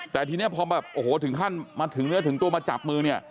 แต่ทีนี้พอถึงขั้นถึงเนื้อถึงตัวมาจับมือ